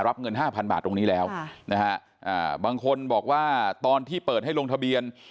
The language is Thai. รับเงิน๕๐๐บาทตรงนี้แล้วบางคนบอกว่าตอนที่เปิดให้ลงทะเบียน